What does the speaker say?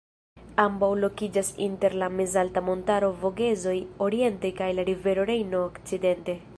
Ambaŭ lokiĝas inter la mezalta montaro Vogezoj oriente kaj la rivero Rejno okcidente.